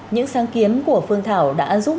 những sáng kiến của phương thảo đã giúp